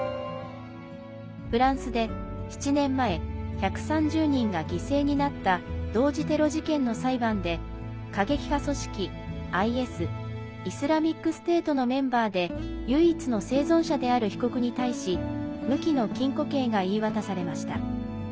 フランスで７年前１３０人が犠牲になった同時テロ事件の裁判で過激派組織ＩＳ＝イスラミックステートのメンバーで唯一の生存者である被告に対し無期の禁錮刑が言い渡されました。